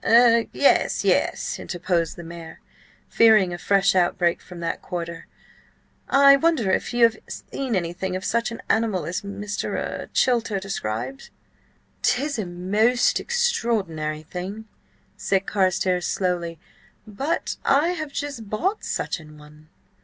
"Er–yes, yes," interposed the mayor, fearing a fresh outbreak from that quarter. "I wonder if you have seen anything of such an animal as Mr.–er–Chilter–described?" "'Tis a most extraordinary thing," said Carstares slowly, "but I have just bought such an one."